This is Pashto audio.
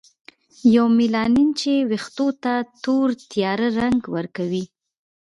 یومیلانین چې ویښتو ته تور تیاره رنګ ورکوي.